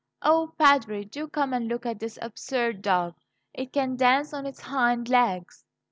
"Oh, Padre, do come and look at this absurd dog! It can dance on its hind legs."